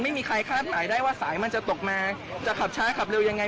ไม่มีใครคาดหมายได้ว่าสายมันจะตกมาจะขับช้าขับเร็วยังไง